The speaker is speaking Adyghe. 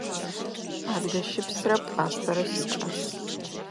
Адыгэ щыпсрэ пӏастэрэ сикӏас.